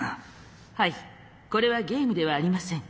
はいこれはゲームではありません。